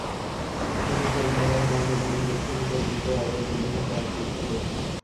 শুধু তরুণেরাই নন, ইদানীং বেশ কিছু তরুণীকেও আইএস যুদ্ধক্ষেত্রে আকৃষ্ট করছে।